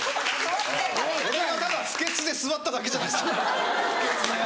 俺がただ不潔で座っただけじゃないですか。